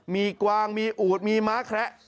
มีกวางมีอูดมีม้าแคระ